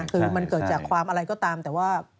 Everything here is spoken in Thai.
คือมันเกิดจากความอะไรก็ตามแต่ว่า